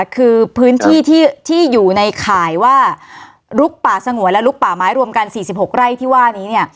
คือพื้นที่ที่อยู่ในข่ายว่าลุกป่าสงวนและลุกป่าไม้รวมกัน๔๖ไร่ที่ว่านี้